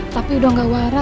tapi udah gak waras